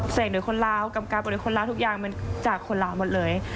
เสกโดยคนลาวกรรมการบริหารคนลาวทุกอย่างมันจากคนลาวหมดเลย